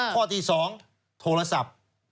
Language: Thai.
ข้อที่๒โทรศัพท์